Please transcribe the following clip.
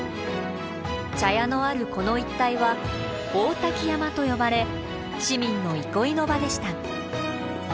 茶屋のあるこの一帯は大滝山と呼ばれ市民の憩いの場でした。